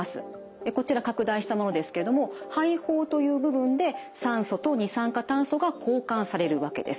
こちら拡大したものですけれども肺胞という部分で酸素と二酸化炭素が交換されるわけです。